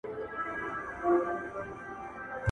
غريبي د کفر سره نږدې ده.